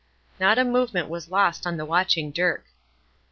Not a movement was lost on the watching Dirk.